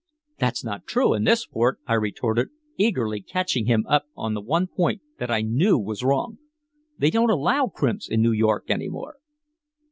"That's not true in this port," I retorted, eagerly catching him up on the one point that I knew was wrong. "They don't allow crimps in New York any more."